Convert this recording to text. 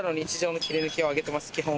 基本。